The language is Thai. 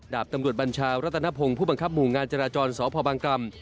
ดาบตำรวจบัญชารัตนพงศ์ผู้บังคับหมู่งานจราจรสพบังกล่ำ